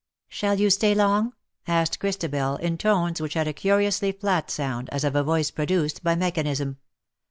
^' Shall you stay long T' asked Christabel, in tones which had a curiously flat sound, as of a voice produced by mechanism.